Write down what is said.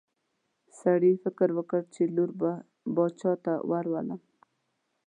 سړي فکر وکړ چې لور به باچا ته ورولم.